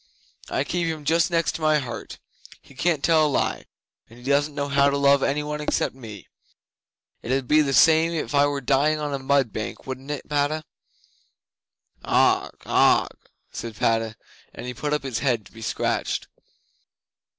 "I keep him just next my heart. He can't tell a lie, and he doesn't know how to love any one except me. It 'ud be the same if I were dying on a mud bank, wouldn't it, Padda?" '"Augh! Augh!" said Padda, and put up his head to be scratched.